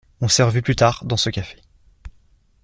On s’est revu plus tard, dans ce café.